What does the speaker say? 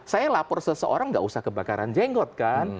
saya lapor seseorang nggak usah kebakaran jenggot kan